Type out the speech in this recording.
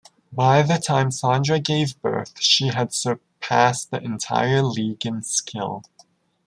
By the time Sandra gave birth she had surpassed the entire League in skill.